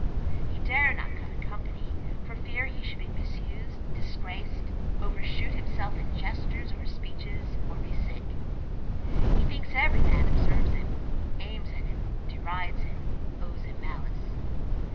He dare not come in company for fear he should be misused, disgraced, overshoot himself in gesture or speeches, or be sick; he thinks every man observes him, aims at him, derides him, owes him malice.